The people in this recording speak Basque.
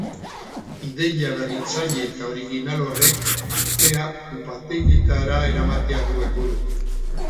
Ideia berritzaile eta original horrek artea upategietara eramatea du helburu.